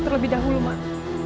terlebih dahulu mbak